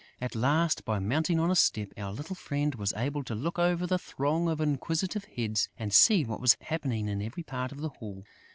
At last, by mounting on a step, our little friend was able to look over the throng of inquisitive heads and see what was happening in every part of the hall.